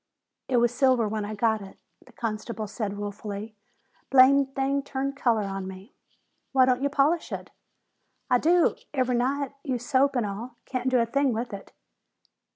"It was silver when I got it," the constable said ruefully. "Blame thing turned color on me." "Why don't you polish it?" "I do ever' night. Use soap and all. Can't do a thing with it."